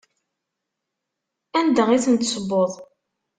Anda i ten-tessewweḍ?